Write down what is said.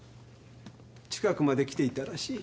近くまで来ていたらしい。